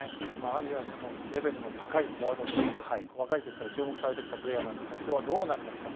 アジアでもレベルの高いフォワードとして、若いときから注目されてきたプレーヤーなんですが今日はどうなりますか。